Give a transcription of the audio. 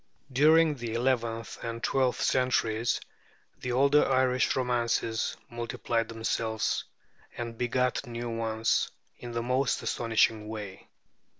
During the eleventh and twelfth centuries, the older Irish romances multiplied themselves and begat new ones in the most astonishing way.